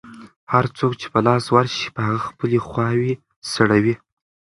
هر څوک چې په لاس ورشي، په هغه خپلې خواوې سړوي.